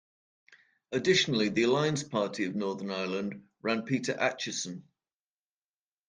Additionally the Alliance Party of Northern Ireland ran Peter Acheson.